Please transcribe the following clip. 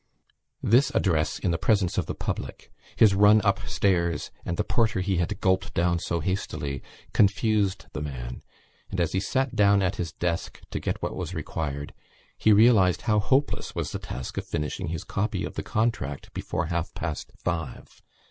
This address in the presence of the public, his run upstairs and the porter he had gulped down so hastily confused the man and, as he sat down at his desk to get what was required, he realised how hopeless was the task of finishing his copy of the contract before half past five.